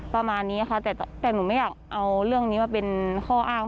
ประมาณนี้ค่ะแต่หนูไม่อยากเอาเรื่องนี้มาเป็นข้ออ้าง